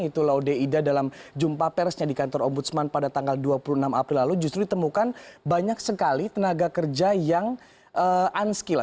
itu laude ida dalam jumpa persnya di kantor ombudsman pada tanggal dua puluh enam april lalu justru ditemukan banyak sekali tenaga kerja yang unskilled